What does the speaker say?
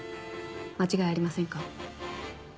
間違いありませんか？